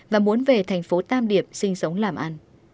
và muốn về thành phố tam điệp sinh sống làm ăn